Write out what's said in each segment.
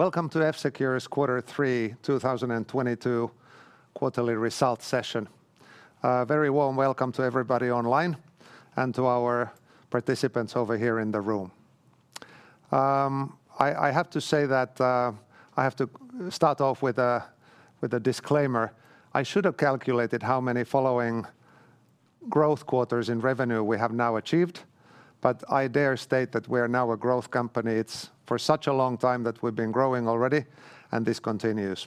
Welcome to F-Secure's quarter three 2022 quarterly results session. Very warm welcome to everybody online and to our participants over here in the room. I have to say that I have to start off with a disclaimer. I should have calculated how many following growth quarters in revenue we have now achieved, but I dare state that we are now a growth company. It's for such a long time that we've been growing already, and this continues.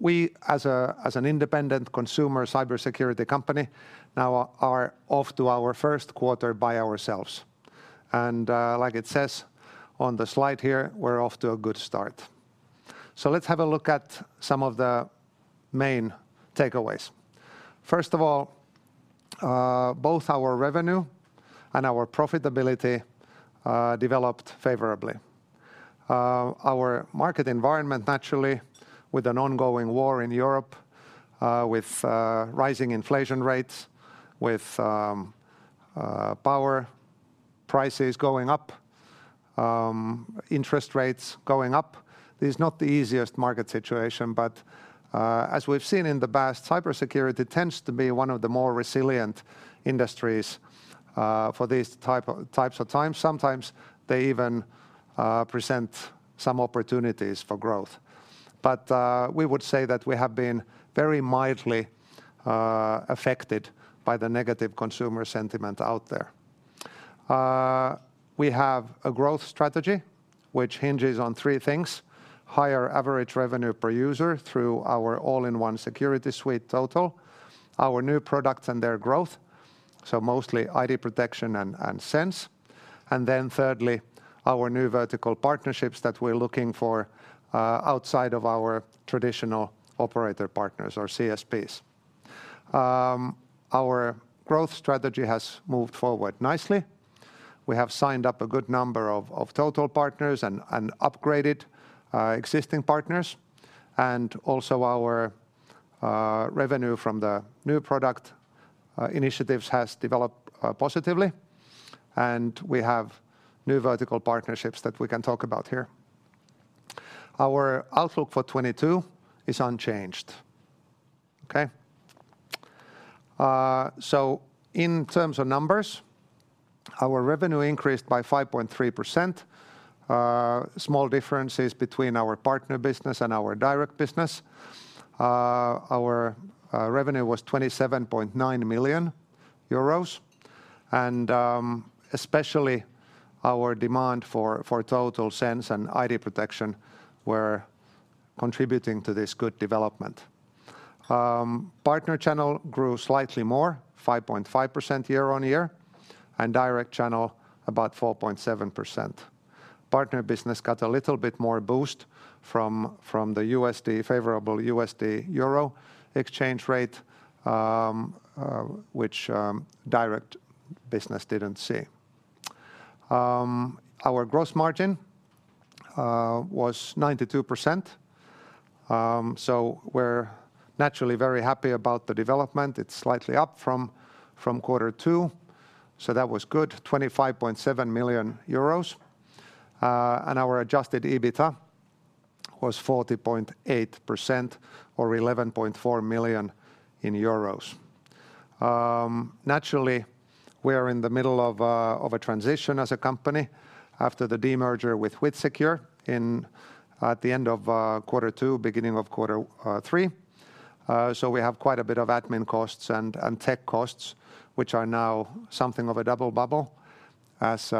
We as an independent consumer cybersecurity company now are off to our first quarter by ourselves. Like it says on the slide here, we're off to a good start. Let's have a look at some of the main takeaways. First of all, both our revenue and our profitability developed favorably. Our market environment naturally with an ongoing war in Europe, with rising inflation rates, with power prices going up, interest rates going up, is not the easiest market situation. As we've seen in the past, cybersecurity tends to be one of the more resilient industries for these types of times. Sometimes they even present some opportunities for growth. We would say that we have been very mildly affected by the negative consumer sentiment out there. We have a growth strategy which hinges on three things, higher average revenue per user through our all-in-one security suite, Total, our new products and their growth, so mostly ID Protection and Sense, and then thirdly, our new vertical partnerships that we're looking for outside of our traditional operator partners or CSPs. Our growth strategy has moved forward nicely. We have signed up a good number of Total partners and upgraded existing partners. Our revenue from the new product initiatives has developed positively. We have new vertical partnerships that we can talk about here. Our outlook for 2022 is unchanged. Okay. In terms of numbers, our revenue increased by 5.3%. Small differences between our partner business and our direct business. Our revenue was 27.9 million euros. Especially our demand for Total, Sense and ID Protection were contributing to this good development. Partner channel grew slightly more, 5.5% year-on-year, and direct channel about 4.7%. Partner business got a little bit more boost from the USD, favorable USD/euro exchange rate, which direct business didn't see. Our gross margin was 92%, so we're naturally very happy about the development. It's slightly up from quarter two, so that was good. 25.7 million euros. Our adjusted EBITA was 40.8% or 11.4 million euros. Naturally, we are in the middle of a transition as a company after the demerger with WithSecure at the end of quarter two, beginning of quarter three. We have quite a bit of admin costs and tech costs, which are now something of a double bubble as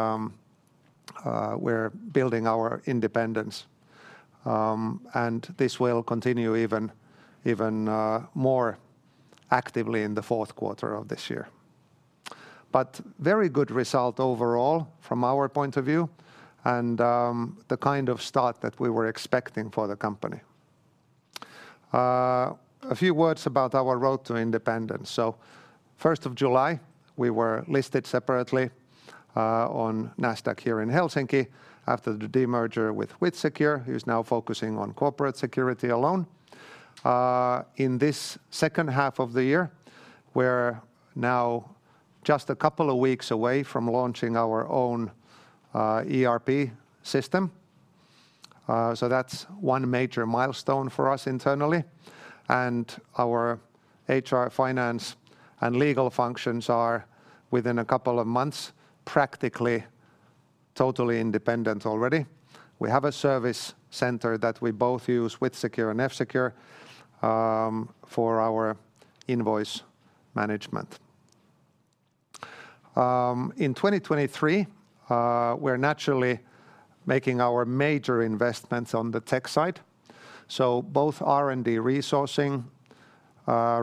we're building our independence. This will continue more actively in the fourth quarter of this year. Very good result overall from our point of view and the kind of start that we were expecting for the company. A few words about our road to independence. First of July, we were listed separately on Nasdaq Helsinki after the demerger with WithSecure, who's now focusing on corporate security alone. In this second half of the year, we're now just a couple of weeks away from launching our own ERP system. That's one major milestone for us internally. Our HR, finance, and legal functions are within a couple of months practically totally independent already. We have a service center that we both use, WithSecure and F-Secure, for our invoice management. In 2023, we're naturally making our major investments on the tech side, so both R&D resourcing,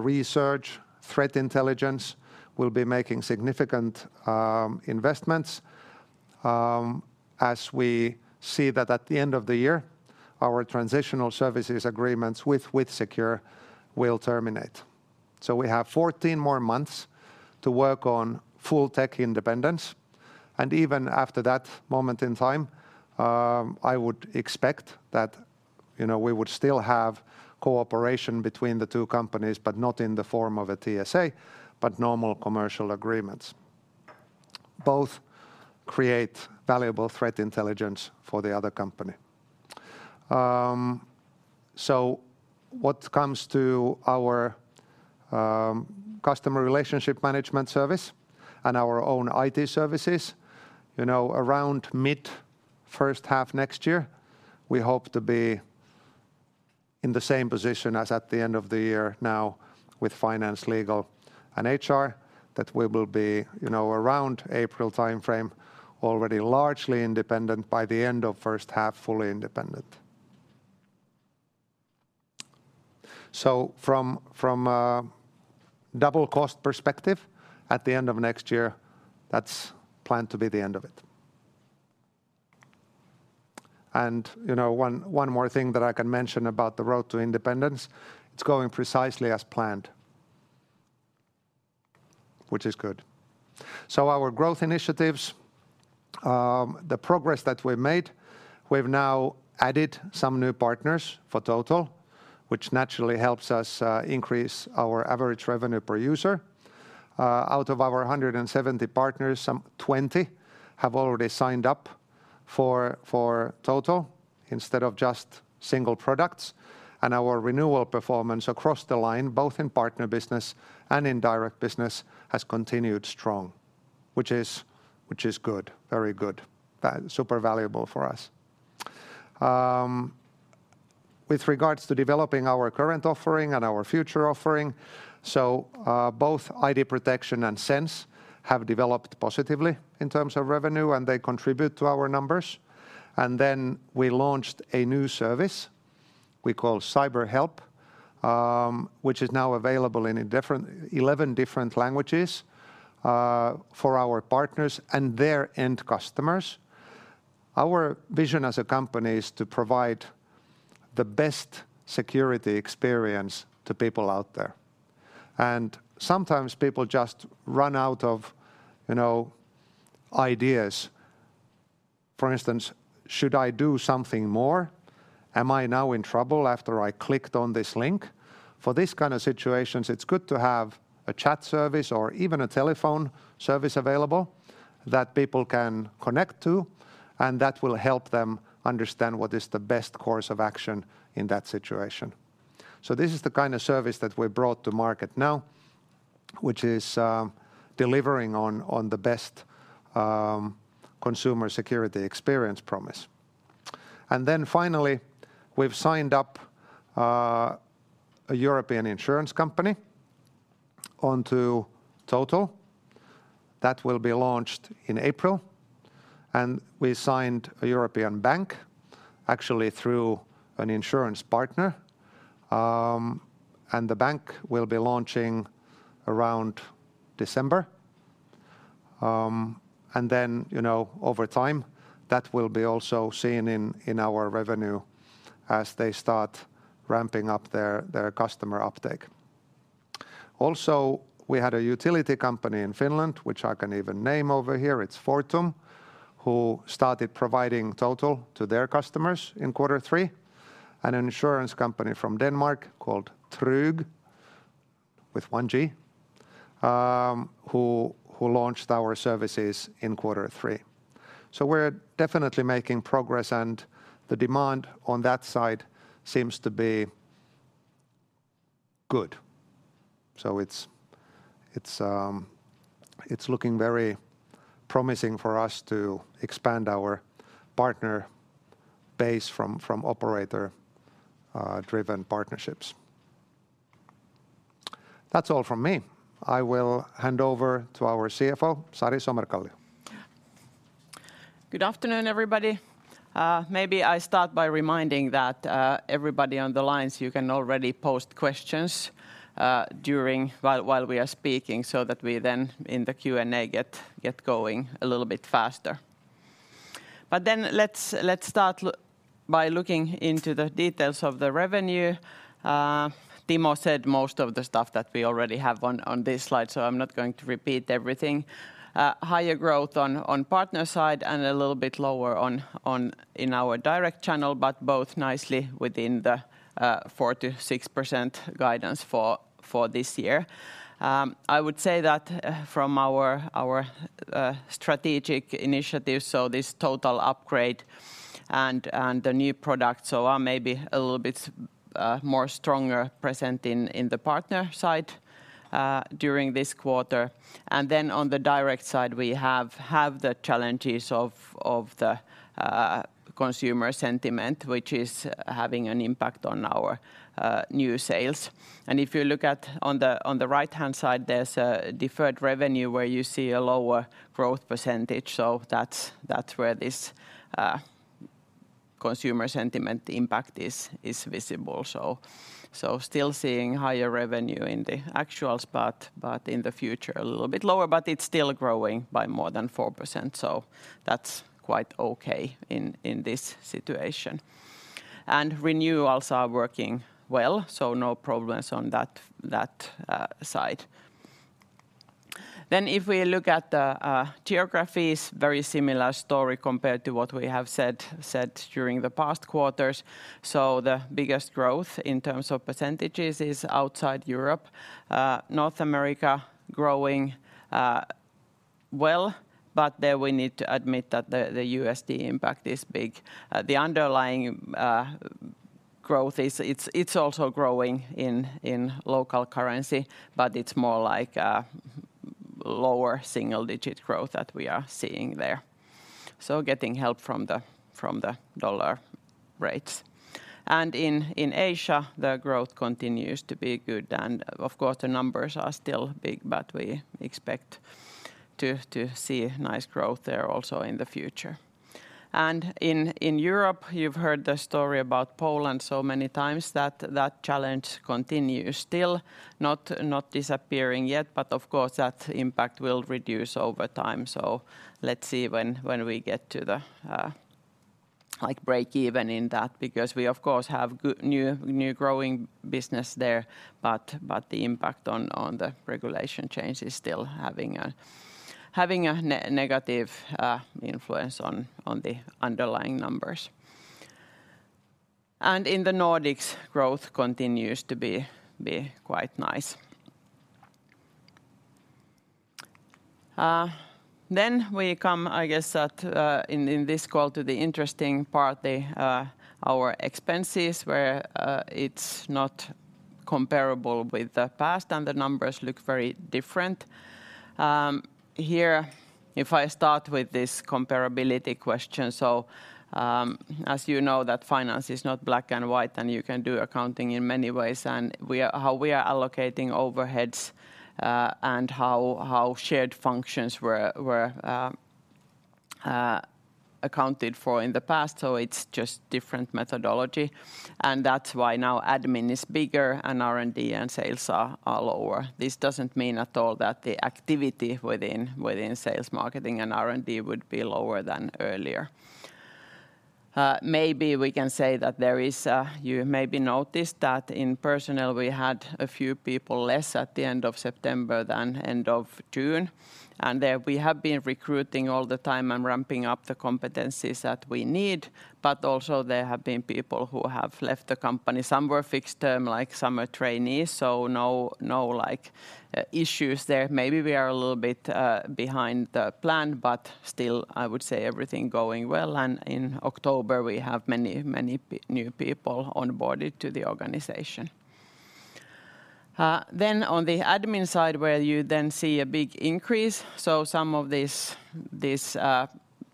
research, threat intelligence, we'll be making significant investments, as we see that at the end of the year, our transitional services agreements with WithSecure will terminate. We have 14 more months to work on full tech independence. Even after that moment in time, I would expect that you know, we would still have cooperation between the two companies, but not in the form of a TSA, but normal commercial agreements. Both create valuable threat intelligence for the other company. What comes to our customer relationship management service and our own IT services, you know, around mid first half next year, we hope to be in the same position as at the end of the year now with finance, legal, and HR, that we will be, you know, around April timeframe already largely independent, by the end of first half, fully independent. From a double cost perspective, at the end of next year, that's planned to be the end of it. You know, one more thing that I can mention about the road to independence, it's going precisely as planned, which is good. Our growth initiatives, the progress that we've made, we've now added some new partners for Total, which naturally helps us increase our average revenue per user. Out of our 170 partners, some 20 have already signed up for Total instead of just single products. Our renewal performance across the line, both in partner business and in direct business, has continued strong, which is good, very good, super valuable for us. With regards to developing our current offering and our future offering, both ID Protection and Sense have developed positively in terms of revenue, and they contribute to our numbers. Then we launched a new service we call Cyber Help, which is now available in 11 different languages, for our partners and their end customers. Our vision as a company is to provide the best security experience to people out there, and sometimes people just run out of, you know, ideas. For instance, should I do something more? Am I now in trouble after I clicked on this link? For these kind of situations, it's good to have a chat service or even a telephone service available that people can connect to, and that will help them understand what is the best course of action in that situation. This is the kind of service that we brought to market now, which is delivering on the best consumer security experience promise. Finally, we've signed up a European insurance company onto Total. That will be launched in April. We signed a European bank, actually through an insurance partner, and the bank will be launching around December. You know, over time, that will be also seen in our revenue as they start ramping up their customer uptake. Also, we had a utility company in Finland, which I can even name over here. It's Fortum, who started providing Total to their customers in quarter three. An insurance company from Denmark called Tryg, with one G, who launched our services in quarter three. We're definitely making progress, and the demand on that side seems to be good. It's looking very promising for us to expand our partner base from operator driven partnerships. That's all from me. I will hand over to our CFO, Sari Somerkallio. Good afternoon, everybody. Maybe I start by reminding that everybody on the lines, you can already post questions during while we are speaking so that we then in the Q&A get going a little bit faster. Let's start by looking into the details of the revenue. Timo said most of the stuff that we already have on this slide. I'm not going to repeat everything. Higher growth on partner side and a little bit lower on in our direct channel, but both nicely within the 4%-6% guidance for this year. I would say that from our strategic initiatives, this Total upgrade and the new products are maybe a little bit more stronger present in the partner side during this quarter. On the direct side, we have the challenges of the consumer sentiment, which is having an impact on our new sales. If you look at on the right-hand side, there's a deferred revenue where you see a lower growth percentage. That's where this consumer sentiment impact is visible. Still seeing higher revenue in the actual spot, but in the future a little bit lower, but it's still growing by more than 4%, that's quite okay in this situation. Renewals are working well, so no problems on that side. If we look at the geographies, very similar story compared to what we have said during the past quarters. The biggest growth in terms of percentages is outside Europe. North America growing, well, but there we need to admit that the USD impact is big. The underlying growth is also growing in local currency, but it's more like lower single-digit growth that we are seeing there. Getting help from the dollar rates. In Asia, the growth continues to be good. Of course, the numbers are still big, but we expect to see nice growth there also in the future. In Europe, you've heard the story about Poland so many times that challenge continues still. Not disappearing yet, but of course, that impact will reduce over time. Let's see when we get to the break even in that because we of course have new growing business there, but the impact on the regulation change is still having a negative influence on the underlying numbers. In the Nordics, growth continues to be quite nice. Then we come, I guess, in this call to the interesting part, our expenses where it's not comparable with the past and the numbers look very different. Here if I start with this comparability question, as you know that finance is not black and white, and you can do accounting in many ways. How we are allocating overheads, and how shared functions were accounted for in the past, so it's just different methodology. That's why now admin is bigger and R&D and sales are lower. This doesn't mean at all that the activity within sales, marketing, and R&D would be lower than earlier. Maybe we can say that there is. You maybe noticed that in personnel we had a few people less at the end of September than end of June. There we have been recruiting all the time and ramping up the competencies that we need, but also there have been people who have left the company. Some were fixed term like summer trainees, so no like issues there. Maybe we are a little bit behind the plan, but still, I would say everything going well. In October, we have many new people onboarded to the organization. Then on the admin side where you then see a big increase, so some of this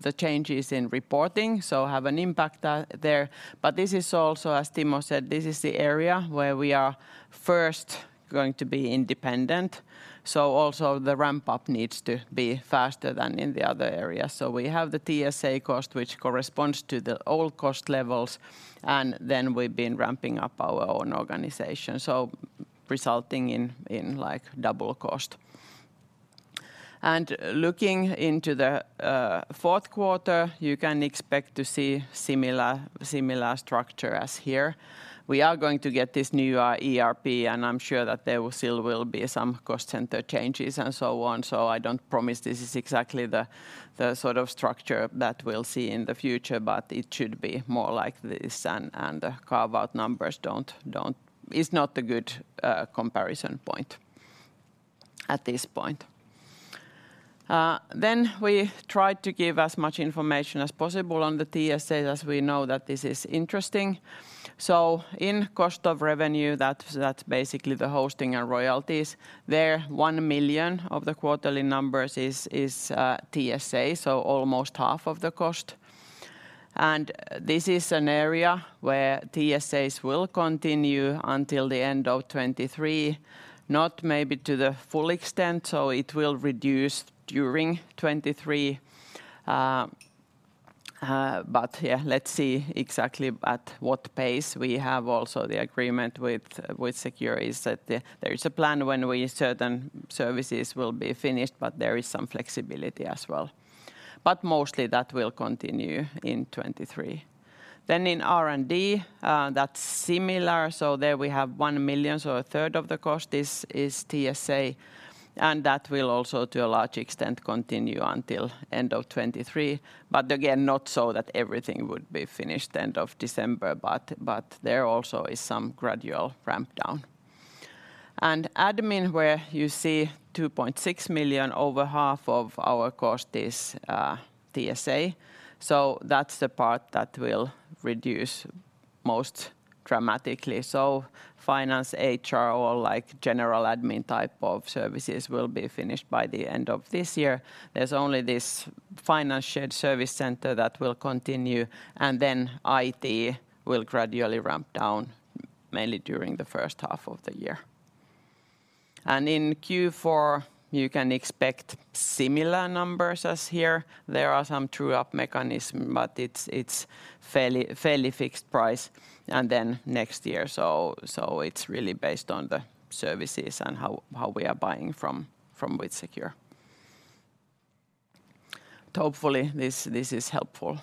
the changes in reporting so have an impact there. But this is also, as Timo said, this is the area where we are first going to be independent, so also the ramp-up needs to be faster than in the other areas. We have the TSA cost, which corresponds to the old cost levels, and then we've been ramping up our own organization, so resulting in like double cost. Looking into the fourth quarter, you can expect to see similar structure as here. We are going to get this new ERP, and I'm sure that there will still be some cost center changes and so on. I don't promise this is exactly the sort of structure that we'll see in the future, but it should be more like this and the carve-out numbers is not a good comparison point at this point. We tried to give as much information as possible on the TSA as we know that this is interesting. In cost of revenue, that's basically the hosting and royalties. There 1 million of the quarterly numbers is TSA, so almost half of the cost. This is an area where TSAs will continue until the end of 2023, not maybe to the full extent, so it will reduce during 2023. Yeah, let's see exactly at what pace. We have also the agreement WithSecure that there is a plan when certain services will be finished, but there is some flexibility as well. Mostly that will continue in 2023. In R&D, that's similar. There we have 1 million, so a third of the cost is TSA, and that will also to a large extent continue until end of 2023. Again, not so that everything would be finished end of December, but there also is some gradual ramp down. Admin where you see 2.6 million over half of our cost is TSA. That's the part that will reduce most dramatically. Finance, HR, or like general admin type of services will be finished by the end of this year. There's only this finance shared service center that will continue, and then IT will gradually ramp down mainly during the first half of the year. In Q4, you can expect similar numbers as here. There are some true-up mechanism, but it's fairly fixed price and then next year. It's really based on the services and how we are buying from WithSecure. Hopefully this is helpful.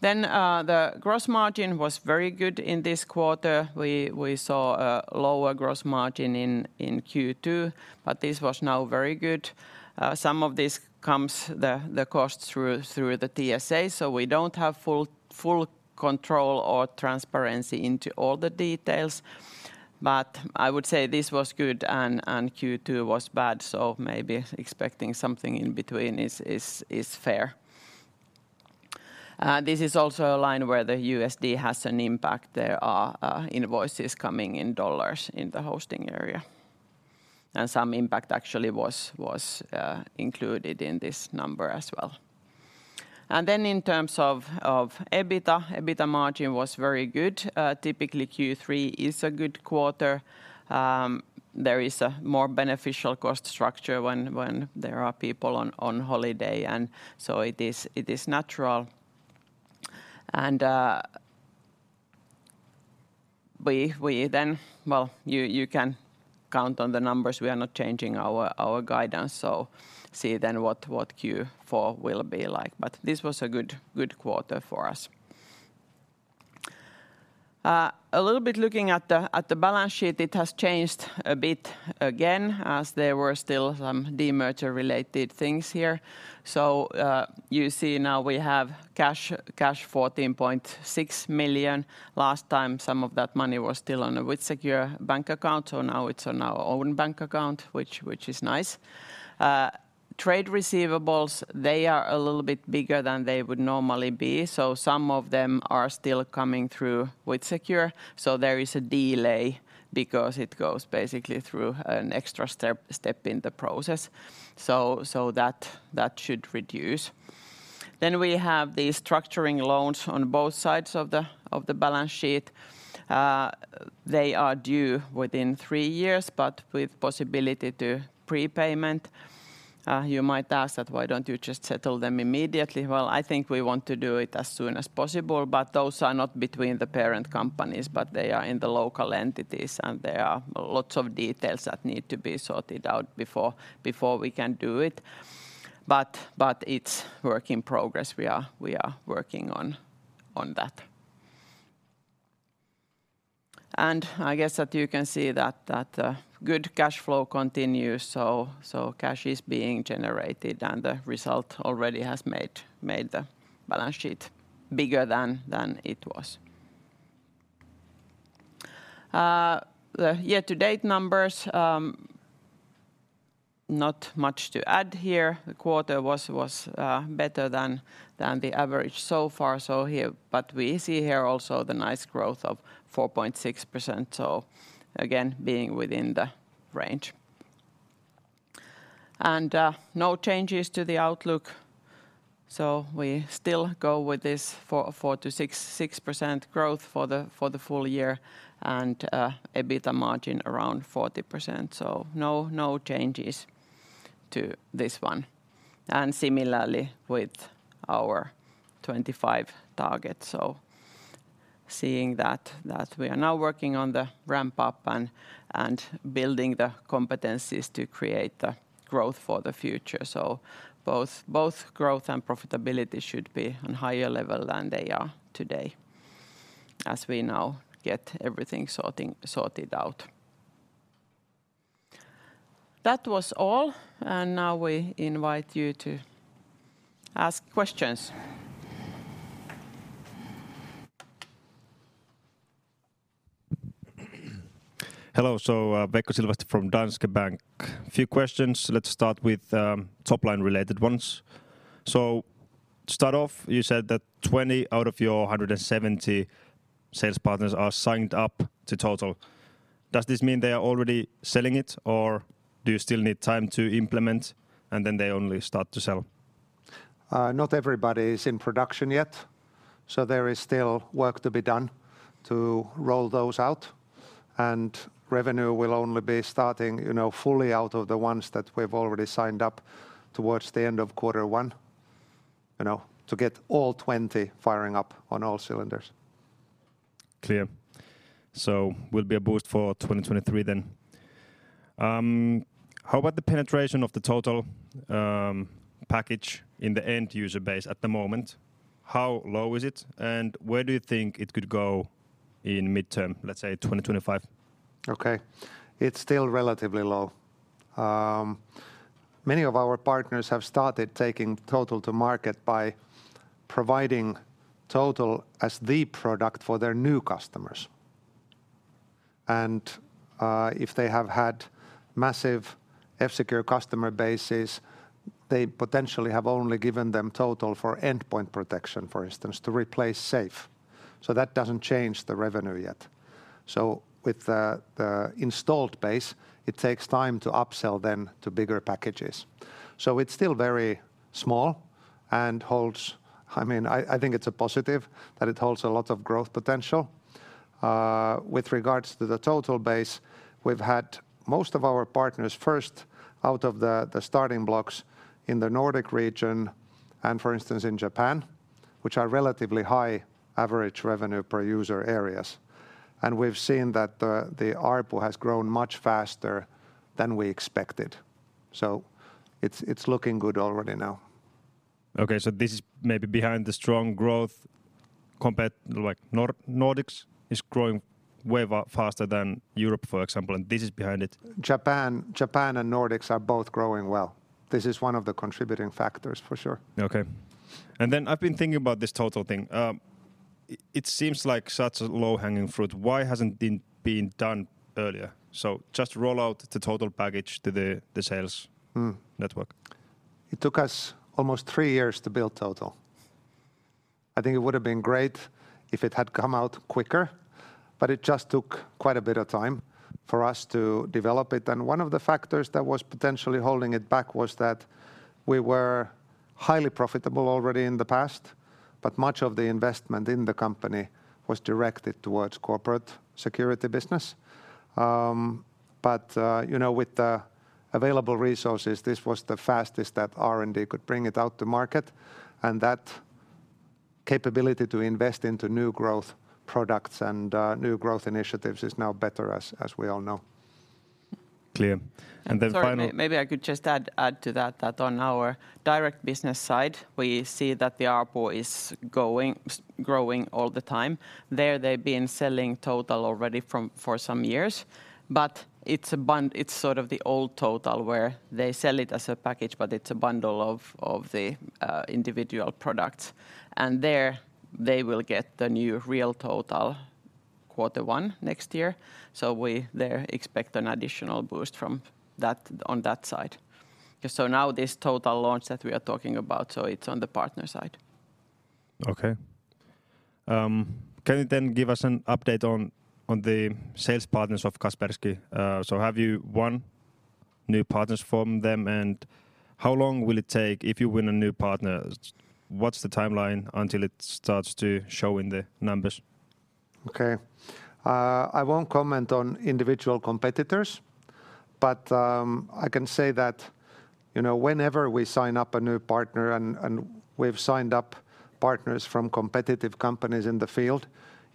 Then, the gross margin was very good in this quarter. We saw a lower gross margin in Q2, but this was now very good. Some of this comes from the cost through the TSA, so we don't have full control or transparency into all the details. I would say this was good and Q2 was bad, so maybe expecting something in between is fair. This is also a line where the USD has an impact. There are invoices coming in dollars in the hosting area, and some impact actually was included in this number as well. In terms of EBITDA margin was very good. Typically Q3 is a good quarter. There is a more beneficial cost structure when there are people on holiday, and so it is natural. We then. Well, you can count on the numbers. We are not changing our guidance, so see then what Q4 will be like. This was a good quarter for us. A little bit looking at the balance sheet, it has changed a bit again, as there were still some de-merger-related things here. You see now we have cash 14.6 million. Last time, some of that money was still on a WithSecure bank account, so now it's on our own bank account, which is nice. Trade receivables, they are a little bit bigger than they would normally be, so some of them are still coming through WithSecure. There is a delay because it goes basically through an extra step in the process. That should reduce. Then we have these structuring loans on both sides of the balance sheet. They are due within three years, but with possibility to prepayment. You might ask that, "Why don't you just settle them immediately?" Well, I think we want to do it as soon as possible, but those are not between the parent companies, but they are in the local entities, and there are lots of details that need to be sorted out before we can do it. But it's work in progress. We are working on that. I guess that you can see that good cash flow continues, so cash is being generated and the result already has made the balance sheet bigger than it was. The year-to-date numbers, not much to add here. The quarter was better than the average so far, so here. We see here also the nice growth of 4.6%, so again, being within the range. No changes to the outlook, so we still go with this 4%-6% growth for the full year and EBITDA margin around 40%, so no changes to this one. Similarly with our 2025 targets, seeing that we are now working on the ramp-up and building the competencies to create the growth for the future. Both growth and profitability should be on higher level than they are today as we now get everything sorted out. That was all, and now we invite you to ask questions. Hello. Veikko Silvasti from Danske Bank. Few questions. Let's start with top line related ones. Start off, you said that 20 out of your 170 sales partners are signed up to Total. Does this mean they are already selling it, or do you still need time to implement, and then they only start to sell? Not everybody is in production yet, so there is still work to be done to roll those out. Revenue will only be starting, you know, fully out of the ones that we've already signed up towards the end of quarter one, you know, to get all 20 firing up on all cylinders. Clear. Will be a boost for 2023 then. How about the penetration of the Total package in the end user base at the moment? How low is it, and where do you think it could go in midterm, let's say 2025? Okay. It's still relatively low. Many of our partners have started taking Total to market by providing Total as the product for their new customers. If they have had massive F-Secure customer bases, they potentially have only given them Total for endpoint protection, for instance, to replace SAFE, so that doesn't change the revenue yet. With the installed base, it takes time to upsell them to bigger packages. It's still very small and holds. I mean, I think it's a positive that it holds a lot of growth potential. With regards to the Total base, we've had most of our partners first out of the starting blocks in the Nordic region and, for instance, in Japan. Which are relatively high average revenue per user areas. We've seen that the ARPU has grown much faster than we expected. It's looking good already now. Okay, this is maybe behind the strong growth compared, like Nordics is growing way faster than Europe, for example, and this is behind it? Japan and Nordics are both growing well. This is one of the contributing factors, for sure. Okay. Then I've been thinking about this Total thing. It seems like such a low-hanging fruit. Why hasn't it been done earlier? Just roll out the Total package to the sales network. It took us almost three years to build Total. I think it would've been great if it had come out quicker, but it just took quite a bit of time for us to develop it. One of the factors that was potentially holding it back was that we were highly profitable already in the past, but much of the investment in the company was directed towards corporate security business. You know, with the available resources, this was the fastest that R&D could bring it out to market, and that capability to invest into new growth products and new growth initiatives is now better as we all know. Clear. Sorry, maybe I could just add to that on our direct business side, we see that the ARPU is growing all the time. There they've been selling Total already for some years, but it's sort of the old Total where they sell it as a package, but it's a bundle of the individual products. There they will get the new real Total quarter one next year, so we there expect an additional boost from that on that side. Now this Total launch that we are talking about, so it's on the partner side. Can you then give us an update on the sales partners of Kaspersky? Have you won new partners from them, and how long will it take if you win a new partner? What's the timeline until it starts to show in the numbers? Okay. I won't comment on individual competitors, but I can say that, you know, whenever we sign up a new partner and we've signed up partners from competitive companies in the field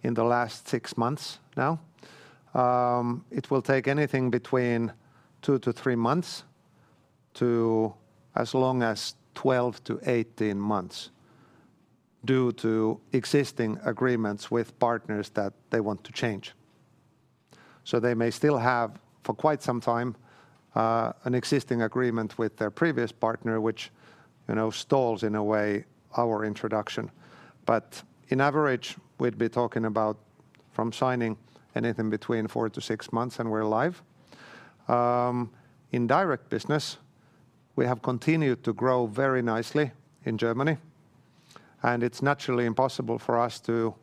in the last six months now, it will take anything between two to three months to as long as 12-18 months due to existing agreements with partners that they want to change. They may still have, for quite some time, an existing agreement with their previous partner, which, you know, stalls in a way our introduction. In average, we'd be talking about from signing anything between four to six months and we're live. In direct business, we have continued to grow very nicely in Germany, and it's naturally impossible for us to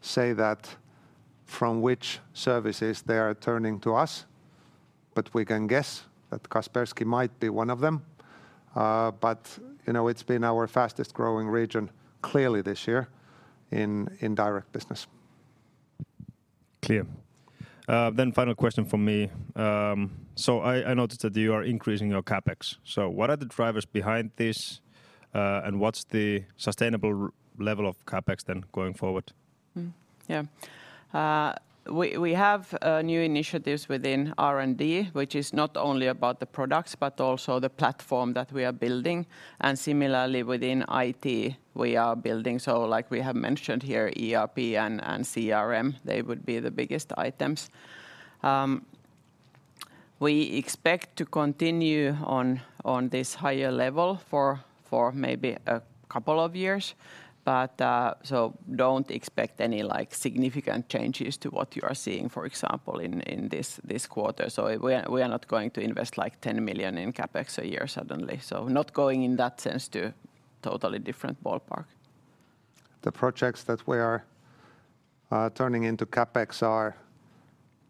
say that from which services they are turning to us, but we can guess that Kaspersky might be one of them. You know, it's been our fastest growing region clearly this year in direct business. Clear. Final question from me. I noticed that you are increasing your CapEx. What are the drivers behind this, and what's the sustainable level of CapEx then going forward? Yeah. We have new initiatives within R&D which is not only about the products but also the platform that we are building, and similarly within IT we are building. Like we have mentioned here, ERP and CRM, they would be the biggest items. We expect to continue on this higher level for maybe a couple of years, but don't expect any, like, significant changes to what you are seeing, for example, in this quarter. We are not going to invest like 10 million in CapEx a year suddenly, so not going in that sense to totally different ballpark. The projects that we are turning into CapEx are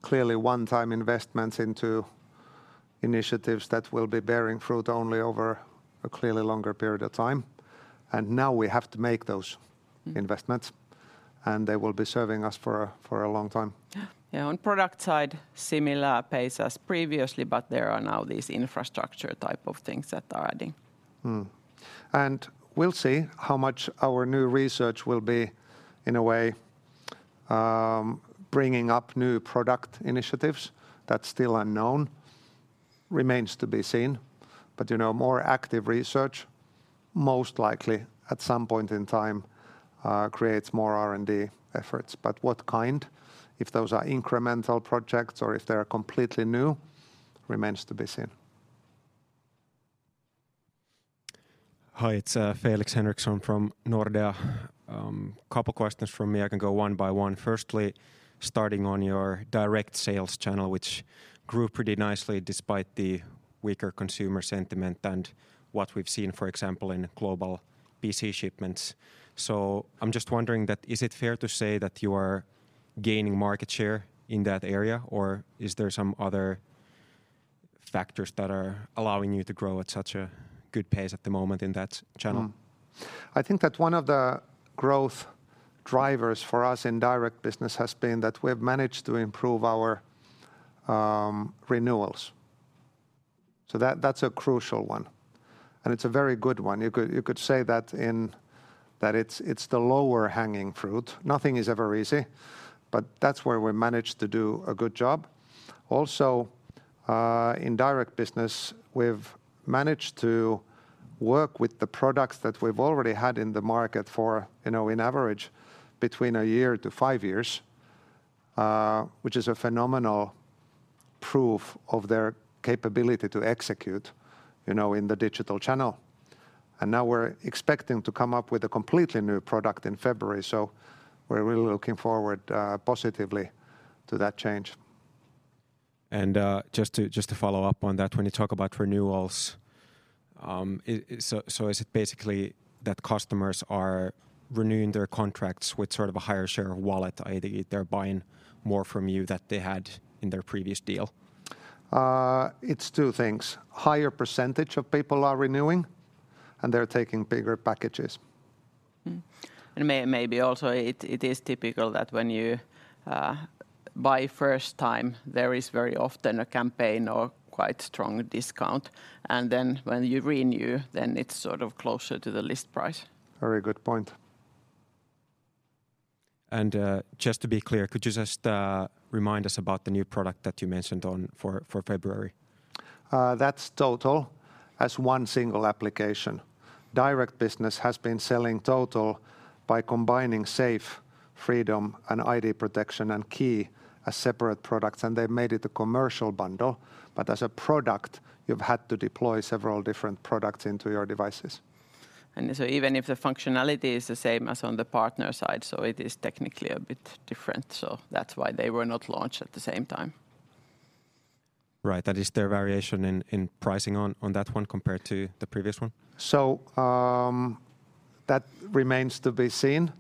clearly one-time investments into initiatives that will be bearing fruit only over a clearly longer period of time, and now we have to make those investments. They will be serving us for a long time. Yeah. Yeah, on product side, similar pace as previously, but there are now these infrastructure type of things that are adding. We'll see how much our new research will be, in a way, bringing up new product initiatives. That's still unknown. Remains to be seen. You know, more active research most likely at some point in time creates more R&D efforts, but what kind, if those are incremental projects or if they're completely new, remains to be seen. Hi, it's Felix Henriksson from Nordea. Couple questions from me. I can go one by one. Firstly, starting on your direct sales channel, which grew pretty nicely despite the weaker consumer sentiment and what we've seen, for example, in global PC shipments. I'm just wondering that is it fair to say that you are gaining market share in that area, or is there some other factors that are allowing you to grow at such a good pace at the moment in that channel? I think that one of the growth drivers for us in direct business has been that we've managed to improve our renewals. That's a crucial one, and it's a very good one. You could say that it's the low-hanging fruit. Nothing is ever easy, but that's where we managed to do a good job. Also, in direct business, we've managed to work with the products that we've already had in the market for, you know, on average between a year to five years, which is a phenomenal proof of their capability to execute, you know, in the digital channel. Now we're expecting to come up with a completely new product in February, so we're really looking forward positively to that change. Just to follow up on that, when you talk about renewals, so is it basically that customers are renewing their contracts with sort of a higher share of wallet, i.e., they're buying more from you than they had in their previous deal? It's two things. Higher percentage of people are renewing, and they're taking bigger packages. Maybe also it is typical that when you buy first time, there is very often a campaign or quite strong discount. Then when you renew, then it's sort of closer to the list price. Very good point. Just to be clear, could you just remind us about the new product that you mentioned for February? That's Total as one single application. Direct business has been selling Total by combining SAFE, FREEDOME, and ID Protection, and KEY as separate products, and they made it a commercial bundle. As a product, you've had to deploy several different products into your devices. Even if the functionality is the same as on the partner side, so it is technically a bit different. That's why they were not launched at the same time. Right. That is their variation in pricing on that one compared to the previous one? That remains to be seen.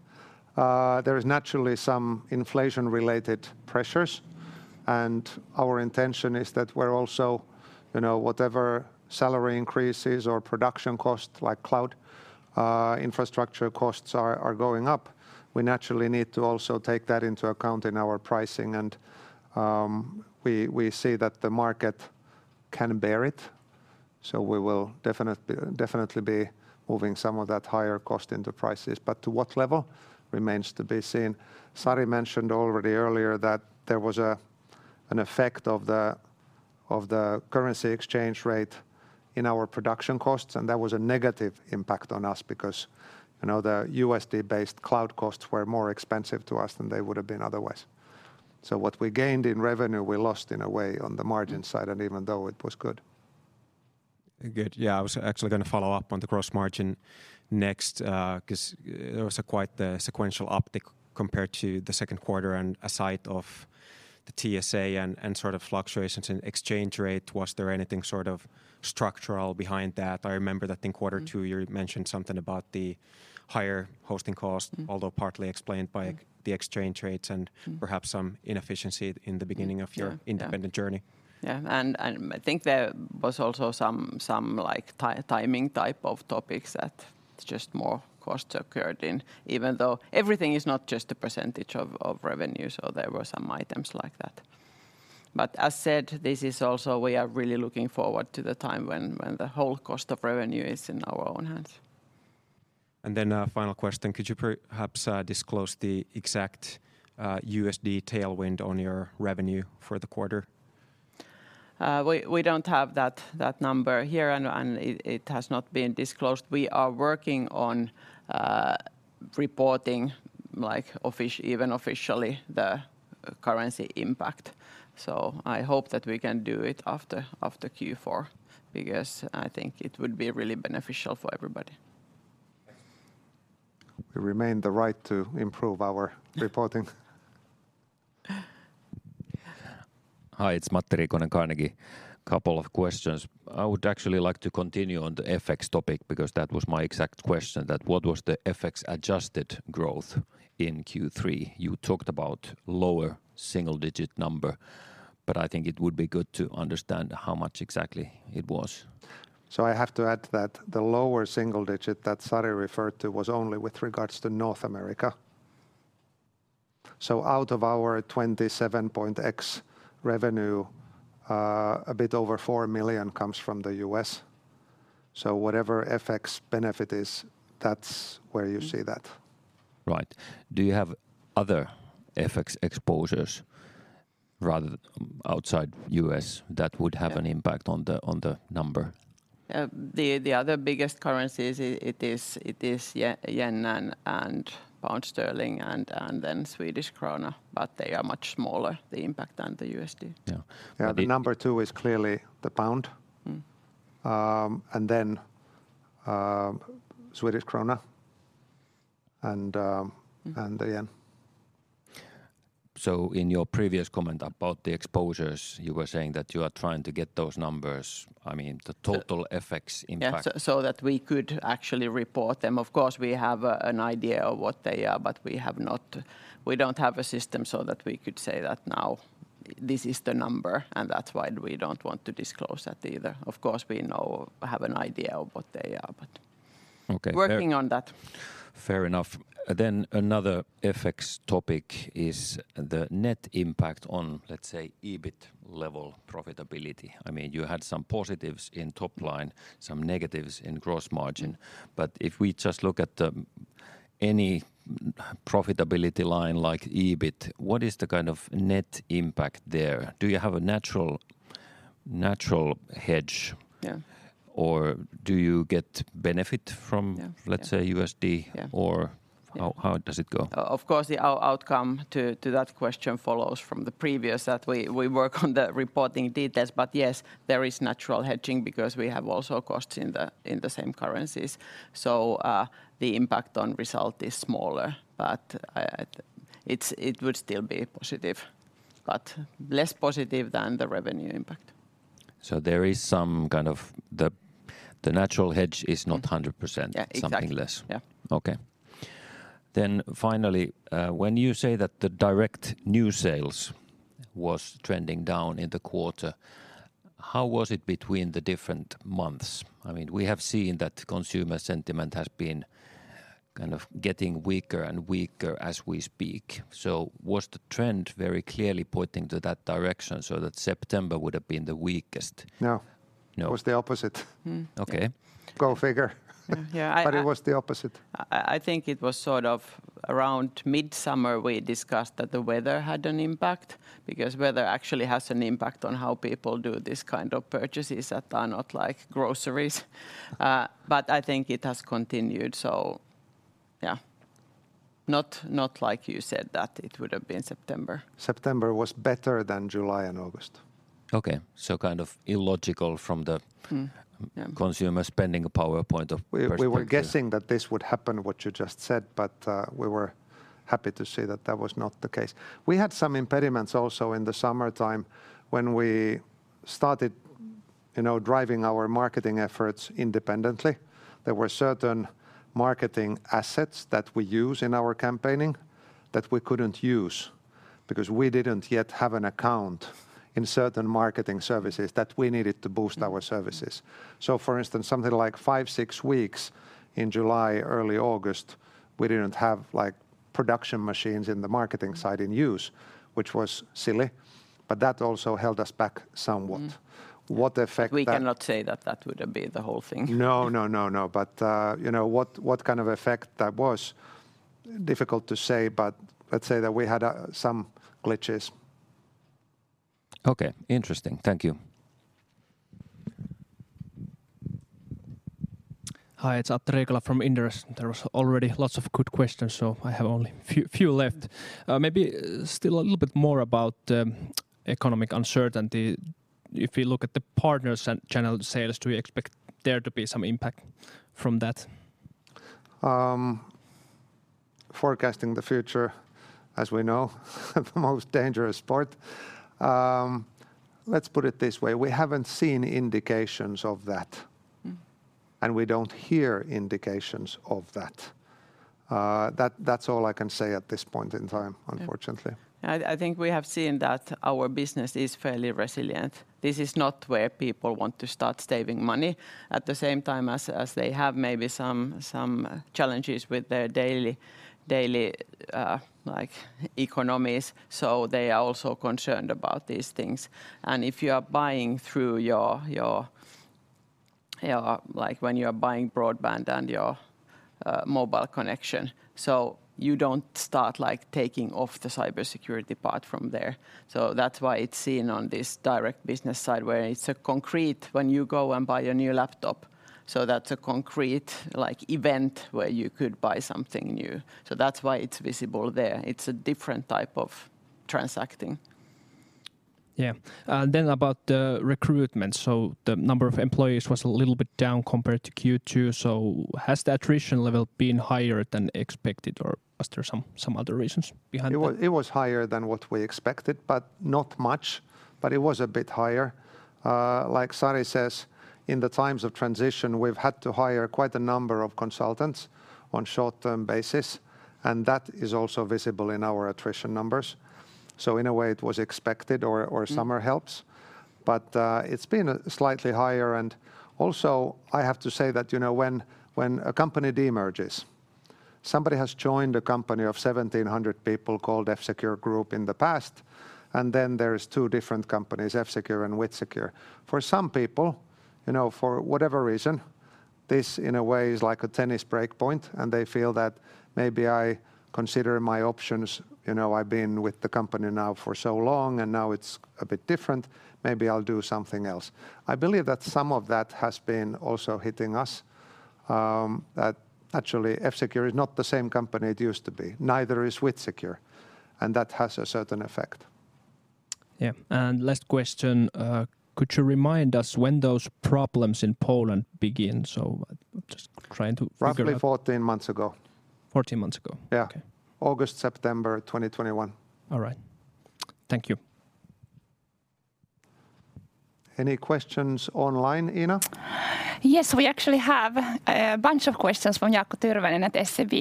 There is naturally some inflation-related pressures, and our intention is that we're also, you know, whatever salary increases or production costs, like cloud, infrastructure costs are going up, we naturally need to also take that into account in our pricing. We see that the market can bear it, so we will definitely be moving some of that higher cost into prices. To what level remains to be seen. Sari mentioned already earlier that there was an effect of the currency exchange rate in our production costs, and that was a negative impact on us because, you know, the USD-based cloud costs were more expensive to us than they would've been otherwise. What we gained in revenue, we lost in a way on the margin side, and even though it was good. Good. Yeah. I was actually gonna follow up on the gross margin next, 'cause there was quite a sequential uptick compared to the second quarter. Aside from the TSA and sort of fluctuations in exchange rate, was there anything sort of structural behind that? I remember that in quarter two- Mm You mentioned something about the higher hosting cost? Mm Although partly explained by. Mm The exchange rates and. Mm Perhaps some inefficiency in the beginning of your Yeah. Yeah independent journey. I think there was also some like timing type of topics that just more costs occurred in, even though everything is not just a percentage of revenue, so there were some items like that. As said, this is also we are really looking forward to the time when the whole cost of revenue is in our own hands. A final question. Could you perhaps disclose the exact USD tailwind on your revenue for the quarter? We don't have that number here and it has not been disclosed. We are working on reporting, like even officially the currency impact, so I hope that we can do it after Q4 because I think it would be really beneficial for everybody. We reserve the right to improve our reporting. Hi, it's Matti Riikonen, Carnegie. Couple of questions. I would actually like to continue on the FX topic because that was my exact question, that what was the FX-adjusted growth in Q3? You talked about lower single-digit number, but I think it would be good to understand how much exactly it was. I have to add that the lower single digit that Sari referred to was only with regards to North America. Out of our 27 million revenue, a bit over 4 million comes from the U.S. Whatever FX benefit is, that's where you see that. Right. Do you have other FX exposures rather, outside U.S. that would have- Yeah an impact on the number? The other biggest currency is yen and pound sterling and then Swedish krona, but they are much smaller, the impact, than the USD. Yeah. Yeah. The number two is clearly the pound. Mm. Swedish krona and Mm-hmm the yen. In your previous comment about the exposures, you were saying that you are trying to get those numbers, I mean, the total. The- FX impact. Yeah. So that we could actually report them. Of course, we have an idea of what they are, but we don't have a system so that we could say that now this is the number, and that's why we don't want to disclose that either. Of course, we know, have an idea of what they are, but. Okay working on that. Fair enough. Another FX topic is the net impact on, let's say, EBIT-level profitability. I mean, you had some positives in top line, some negatives in gross margin. If we just look at any profitability line like EBIT, what is the kind of net impact there? Do you have a natural hedge? Yeah Do you get benefit from? Yeah. Yeah Let's say, USD Yeah. Yeah How does it go? Of course, the outcome to that question follows from the previous, that we work on the reporting details. Yes, there is natural hedging because we have also costs in the same currencies. The impact on result is smaller, but it would still be positive, but less positive than the revenue impact. The natural hedge is not 100%. Yeah, exactly. Something less. Yeah. Okay. Finally, when you say that the direct new sales was trending down in the quarter, how was it between the different months? I mean, we have seen that consumer sentiment has been kind of getting weaker and weaker as we speak. Was the trend very clearly pointing to that direction so that September would have been the weakest? No. No? It was the opposite. Mm. Okay. Go figure. Yeah. It was the opposite. I think it was sort of around mid-summer we discussed that the weather had an impact because weather actually has an impact on how people do this kind of purchases that are not like groceries. But I think it has continued. Yeah, not like you said that it would have been September. September was better than July and August. Okay. Kind of illogical. Yeah. Consumer spending power point of perspective. We were guessing that this would happen, what you just said, but we were happy to see that that was not the case. We had some impediments also in the summertime when we started, you know, driving our marketing efforts independently. There were certain marketing assets that we use in our campaigning that we couldn't use because we didn't yet have an account in certain marketing services that we needed to boost our services. For instance, something like five, six weeks in July, early August, we didn't have, like, production machines in the marketing side in use, which was silly, but that also held us back somewhat. Mm. What effect that- We cannot say that would have been the whole thing. No. You know, what kind of effect that was difficult to say, but let's say that we had some glitches. Okay. Interesting. Thank you. Hi. It's Atte Riikola from Inderes. There was already lots of good questions, so I have only few left. Maybe still a little bit more about economic uncertainty. If you look at the partners and channel sales, do you expect there to be some impact from that? Forecasting the future, as we know, the most dangerous part. Let's put it this way. We haven't seen indications of that. Mm. We don't hear indications of that. That's all I can say at this point in time, unfortunately. I think we have seen that our business is fairly resilient. This is not where people want to start saving money at the same time as they have maybe some challenges with their daily like economies, so they are also concerned about these things. If you are buying through your Like, when you are buying broadband and your mobile connection, so you don't start like taking off the cybersecurity part from there. That's why it's seen on this direct business side where it's a concrete when you go and buy a new laptop. That's a concrete like event where you could buy something new. That's why it's visible there. It's a different type of transacting. Yeah. About the recruitment. The number of employees was a little bit down compared to Q2. Has the attrition level been higher than expected, or was there some other reasons behind that? It was higher than what we expected, but not much. It was a bit higher. Like Sari says, in the times of transition, we've had to hire quite a number of consultants on short-term basis, and that is also visible in our attrition numbers. In a way, it was expected or summer helps. It's been slightly higher. Also, I have to say that, you know, when a company demerges, somebody has joined a company of 1,700 people called F-Secure Corporation in the past, and then there is two different companies, F-Secure and WithSecure. For some people, you know, for whatever reason, this in a way is like a tennis break point and they feel that maybe I consider my options, you know, I've been with the company now for so long, and now it's a bit different. Maybe I'll do something else. I believe that some of that has been also hitting us, that actually F-Secure is not the same company it used to be. Neither is WithSecure, and that has a certain effect. Yeah. Last question. Could you remind us when those problems in Poland begin? Just trying to figure out. Probably 14 months ago. 14 months ago? Yeah. Okay. August, September 2021. All right. Thank you. Any online, Iina? Yes, we actually have a bunch of questions from Jaakko Tyrväinen at SEB.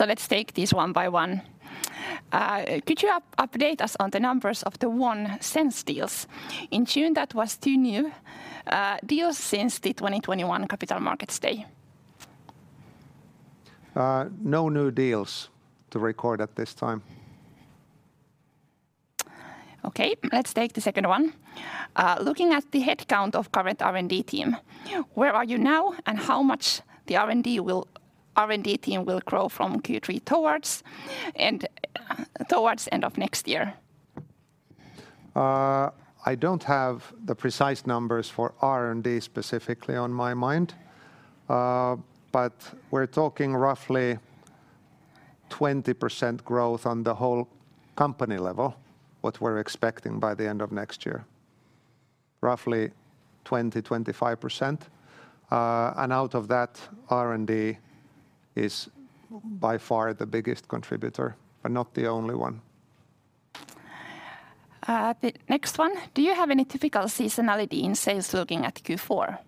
Let's take these one by one. Could you update us on the numbers of the Sense deals? In June that was two new deals since the 2021 Capital Markets Day. No new deals to record at this time. Okay, let's take the second one. Looking at the headcount of current R&D team, where are you now and how much the R&D team will grow from Q3 towards end of next year? I don't have the precise numbers for R&D specifically on my mind. We're talking roughly 20% growth on the whole company level, what we're expecting by the end of next year. Roughly 20%-25%. Out of that, R&D is by far the biggest contributor, but not the only one. The next one. Do you have any typical seasonality in sales looking at Q4?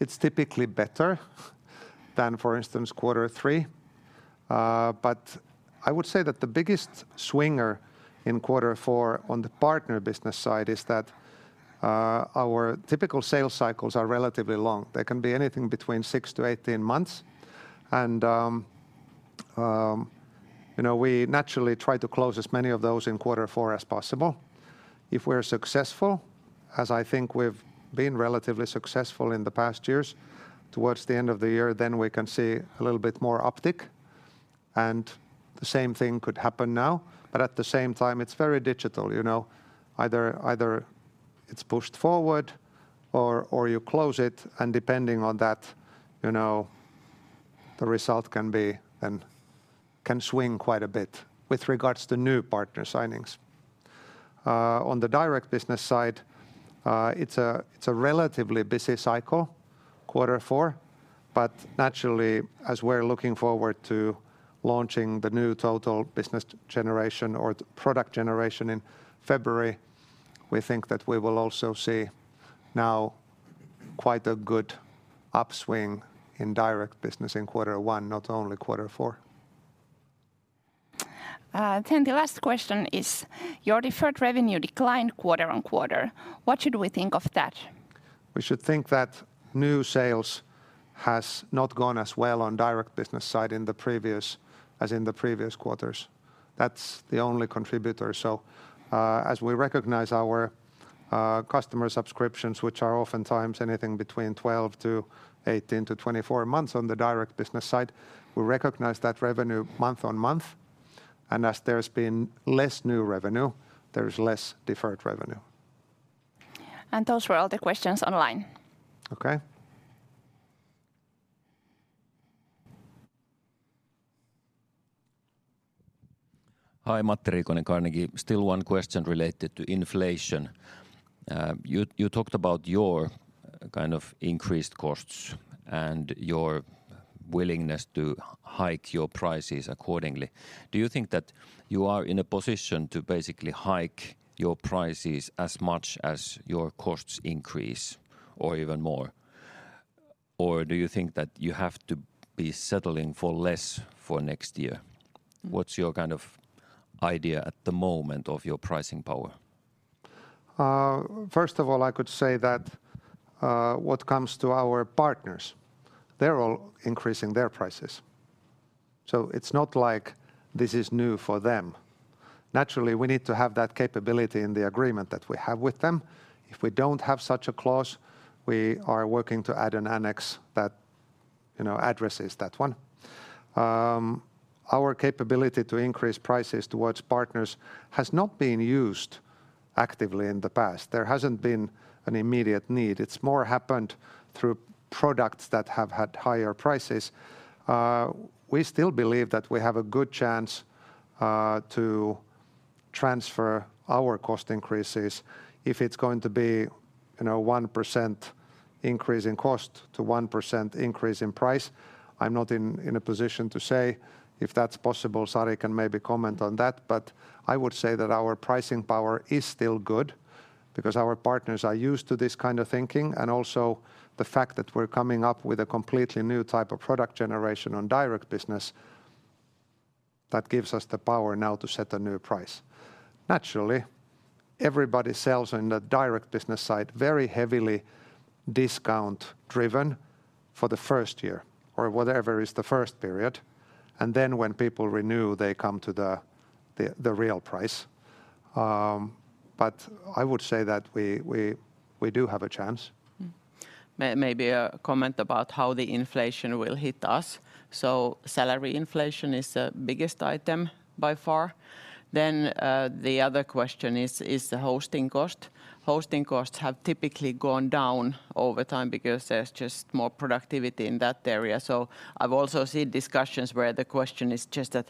It's typically better than, for instance, quarter three. I would say that the biggest swinger in quarter four on the partner business side is that our typical sales cycles are relatively long. They can be anything between six to 18 months and, you know, we naturally try to close as many of those in quarter four as possible. If we're successful, as I think we've been relatively successful in the past years, towards the end of the year, then we can see a little bit more uptick, and the same thing could happen now. At the same time, it's very digital, you know. Either it's pushed forward or you close it, and depending on that, you know, the result can be and can swing quite a bit with regards to new partner signings. On the direct business side, it's a relatively busy cycle, quarter four, but naturally, as we're looking forward to launching the new Total business generation or the product generation in February, we think that we will also see now quite a good upswing in direct business in quarter one, not only quarter four. The last question is, your deferred revenue declined quarter-on-quarter. What should we think of that? We should think that new sales has not gone as well on direct business side as in the previous quarters. That's the only contributor. As we recognize our customer subscriptions, which are oftentimes anything between 12 to 18 to 24 months on the direct business side, we recognize that revenue month-on-month, and as there's been less new revenue, there's less deferred revenue. Those were all the questions online. Okay. Hi, Matti Riikonen, Carnegie. Still one question related to inflation. You talked about your kind of increased costs and your willingness to hike your prices accordingly. Do you think that you are in a position to basically hike your prices as much as your costs increase or even more? Or do you think that you have to be settling for less for next year? What's your kind of idea at the moment of your pricing power? First of all, I could say that, what comes to our partners, they're all increasing their prices. It's not like this is new for them. Naturally, we need to have that capability in the agreement that we have with them. If we don't have such a clause, we are working to add an annex that, you know, addresses that one. Our capability to increase prices towards partners has not been used actively in the past. There hasn't been an immediate need. It's more happened through products that have had higher prices. We still believe that we have a good chance, to transfer our cost increases. If it's going to be, you know, 1% increase in cost to 1% increase in price, I'm not in a position to say if that's possible. Sari can maybe comment on that. I would say that our pricing power is still good because our partners are used to this kind of thinking and also the fact that we're coming up with a completely new type of product generation on direct business, that gives us the power now to set a new price. Naturally, everybody sells in the direct business side very heavily discount-driven for the first year or whatever is the first period, and then when people renew, they come to the real price. I would say that we do have a chance. Maybe a comment about how the inflation will hit us. Salary inflation is the biggest item by far. The other question is the hosting cost. Hosting costs have typically gone down over time because there's just more productivity in that area. I've also seen discussions where the question is just that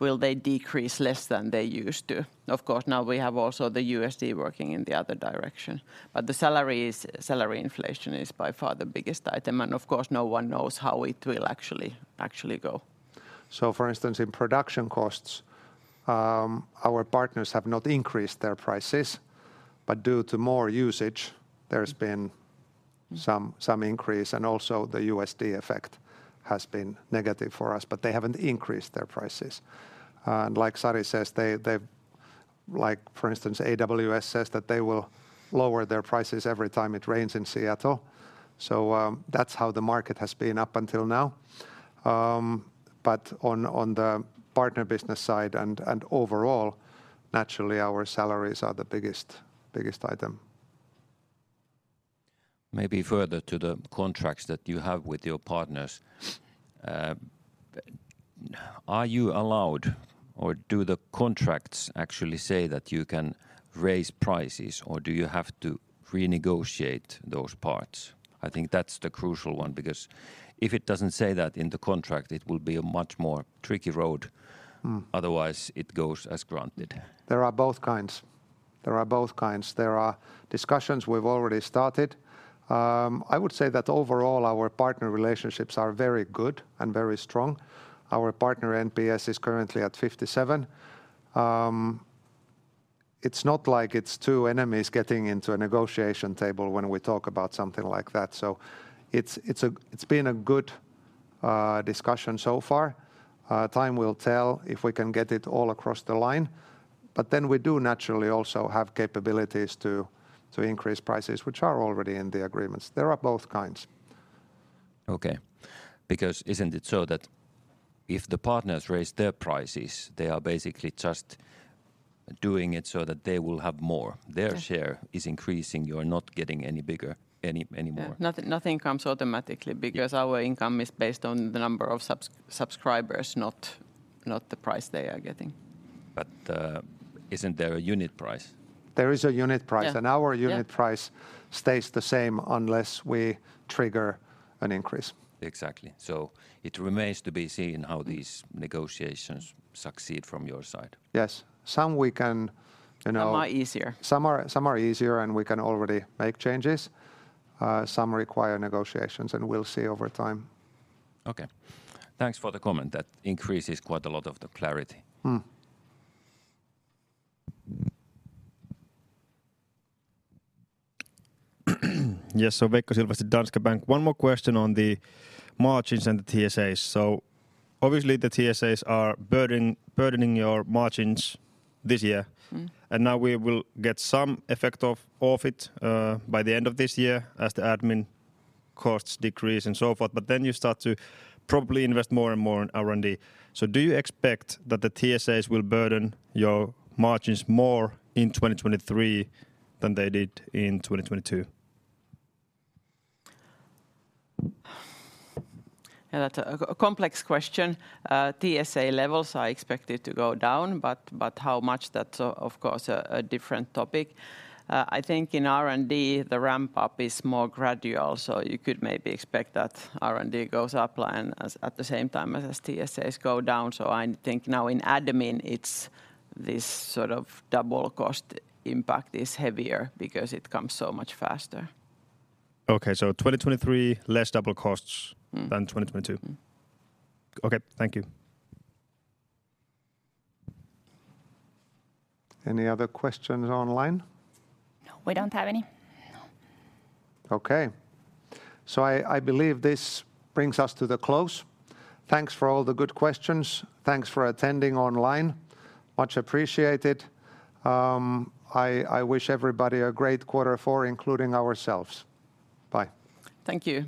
will they decrease less than they used to? Of course, now we have also the USD working in the other direction. Salary inflation is by far the biggest item. Of course, no one knows how it will actually go. For instance, in production costs, our partners have not increased their prices. Due to more usage, there's been some increase, and also the USD effect has been negative for us. They haven't increased their prices. Like Sari says, they, like, for instance, AWS says that they will lower their prices every time it rains in Seattle, so that's how the market has been up until now. On the partner business side and overall, naturally our salaries are the biggest item. Maybe further to the contracts that you have with your partners. Are you allowed or do the contracts actually say that you can raise prices or do you have to renegotiate those parts? I think that's the crucial one because if it doesn't say that in the contract, it will be a much more tricky road. Mm. Otherwise, it goes as granted. There are both kinds. There are discussions we've already started. I would say that overall our partner relationships are very good and very strong. Our partner NPS is currently at 57. It's not like it's two enemies getting into a negotiation table when we talk about something like that, so it's a good discussion so far. Time will tell if we can get it all across the line. We do naturally also have capabilities to increase prices which are already in the agreements. There are both kinds. Okay. Because isn't it so that if the partners raise their prices, they are basically just doing it so that they will have more? Yeah. Their share is increasing. You're not getting any bigger, anymore. Nothing comes automatically. Mm Because our income is based on the number of subscribers, not the price they are getting. Isn't there a unit price? There is a unit price. Yeah, yeah. Our unit price stays the same unless we trigger an increase. Exactly. It remains to be seen how these negotiations succeed from your side. Yes. Some we can, you know. Are a lot easier. Some are easier, and we can already make changes. Some require negotiations, and we'll see over time. Okay. Thanks for the comment. That increases quite a lot of the clarity. Mm. Veikko Silvasti, Danske Bank. One more question on the margins and the TSAs. Obviously the TSAs are burdening your margins this year. Mm. Now we will get some effect of it by the end of this year as the admin costs decrease and so forth, but then you start to probably invest more and more in R&D. Do you expect that the TSAs will burden your margins more in 2023 than they did in 2022? Yeah, that's a complex question. TSA levels are expected to go down, but how much, that's, of course, a different topic. I think in R&D the ramp-up is more gradual, so you could maybe expect that R&D goes up at the same time as TSAs go down. I think now in admin it's this sort of double cost impact is heavier because it comes so much faster. 2023 less double costs. Mm than 2022. Mm. Okay, thank you. Any other questions online? No, we don't have any. No. Okay. I believe this brings us to the close. Thanks for all the good questions. Thanks for attending online. Much appreciated. I wish everybody a great quarter four, including ourselves. Bye. Thank you.